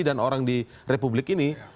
dan orang di republik ini